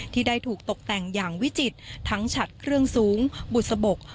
ที่ได้ถูกตกแต่งอย่างวิจิตรทั้งฉัดเครื่องสูงบุษบก